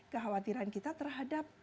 kekhawatiran kita terhadap